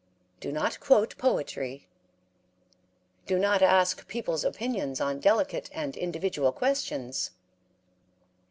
Do not quote poetry; do not ask people's opinions on delicate and individual questions.